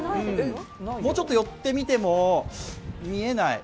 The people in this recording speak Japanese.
もうちょっと寄ってみても見えない。